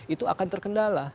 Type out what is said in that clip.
itu akan terkendala